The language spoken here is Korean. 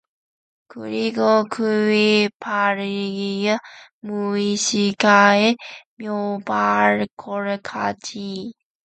그리고 그의 발길은 무의식간에 몇 발걸음 나아갔다.